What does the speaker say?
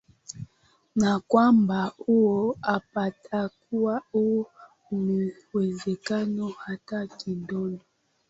na kwamba huo hapatakuwa huo uwezekano hata kidogo